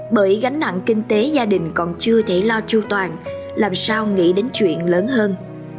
bởi gánh nặng kinh tế gia đình còn chưa thể lo chu toàn làm sao nghĩ đến chuyện lớn hơn